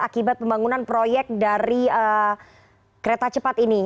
akibat pembangunan proyek dari kereta cepat ini